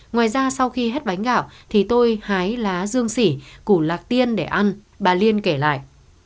ngoài ra sau khi hết bánh gạo thì tôi hái lá dương sỉ củ lạc tiên để ăn bà liên kể lại